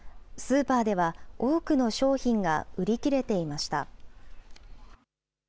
スーパーでは多くの商品が売り切れていました。